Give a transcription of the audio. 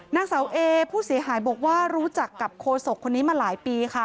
นางสาวเอผู้เสียหายบอกว่ารู้จักกับโคศกคนนี้มาหลายปีค่ะ